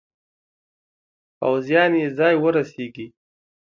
پوځیان یې ځای ورسیږي.